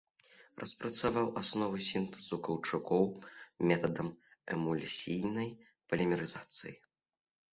Распрацаваў асновы сінтэзу каўчукоў метадам эмульсійнай полімерызацыі.